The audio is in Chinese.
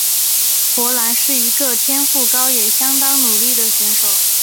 佛兰是一个天赋高也相当努力的选手。